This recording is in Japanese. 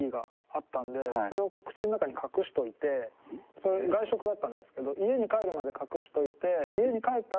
それ外食だったんですけど家に帰るまで隠しておいて。